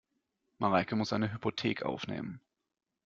Mareike muss eine Hypothek aufnehmen.